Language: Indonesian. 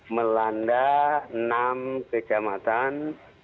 melanda enam kejamatan